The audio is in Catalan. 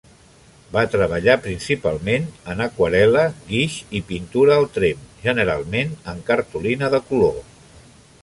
Va treballar principalment en aquarel·la, guaix, i pintura al tremp, generalment en cartolina de color.